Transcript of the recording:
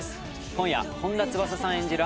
今夜本田翼さん演じる